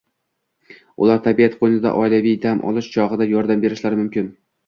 ular tabiat qo‘ynida oilaviy dam olish chog‘ida yordam berishlari mumkin